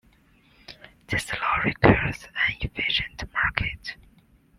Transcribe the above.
This law requires an efficient market.